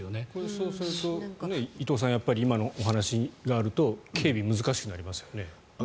そうすると、伊藤さん今のお話があると警備が難しくなりますよね。